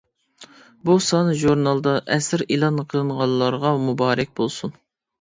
بۇ سان ژۇرنالدا ئەسىرى ئېلان قىلىنغانلارغا مۇبارەك بولسۇن.